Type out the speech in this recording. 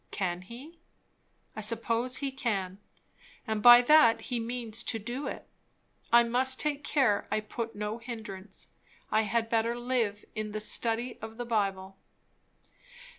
Can he? I suppose he can, and that he means to do it. I must take care I put no hindrance. I had better live in the study of the Bible.